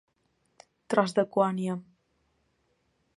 Tros de quòniam.